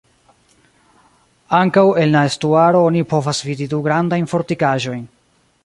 Ankaŭ en la estuaro oni povas vidi du grandajn fortikaĵojn.